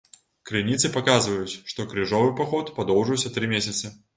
Крыніцы паказваюць, што крыжовы паход падоўжыўся тры месяцы.